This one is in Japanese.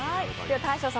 大昇さん